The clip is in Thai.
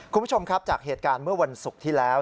คุณผู้ชมครับจากเหตุการณ์เมื่อวันศุกร์ที่แล้ว